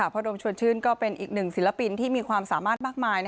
โดมชวนชื่นก็เป็นอีกหนึ่งศิลปินที่มีความสามารถมากมาย